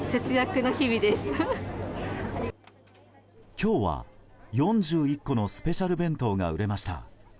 今日は４１個のスペシャル弁当が売れました。